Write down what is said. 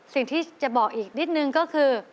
สิ่งที่จะบอกอีกนิดนึงก็คือ